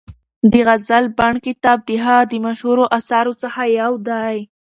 د غزل بڼ کتاب د هغه د مشهورو اثارو څخه یو دی.